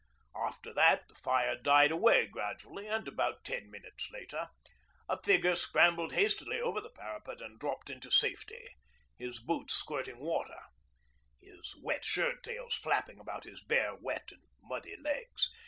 After that the fire died away gradually, and about ten minutes later a figure scrambled hastily over the parapet and dropped into safety, his boots squirting water, his wet shirt tails flapping about his bare wet and muddy legs.